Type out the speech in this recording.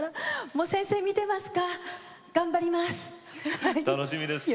先生、見てますか？